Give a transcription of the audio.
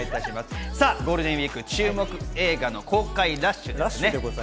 ゴールデンウイーク注目映画の公開ラッシュですね。